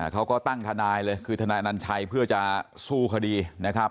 เขาก็ตั้งทนายเลยคือทนายอนัญชัยเพื่อจะสู้คดีนะครับ